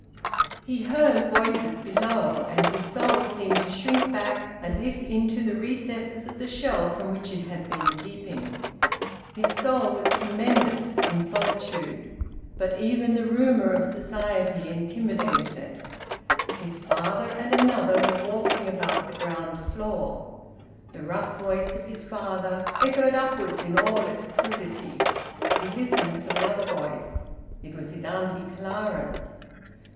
He heard voices below. And his soul seemed to shrink back, as if into the recesses of the shell from which it had been peeping. His soul was tremendous, in solitude; but even the rumour of society intimidated it. His father and another were walking about the ground floor; the rough voice of his father echoed upwards in all its crudity. He listened for the other voice; it was his Auntie Clara's.